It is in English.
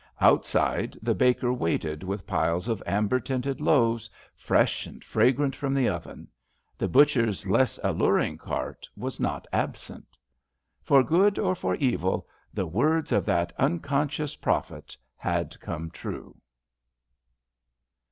Outside, the baker waited with piles of amber tinted loaves, fresh ^ and fragrant from the oven. The butcher's less alluring cart was not absent. For good or for evil, the words of that unconscious prophet had come true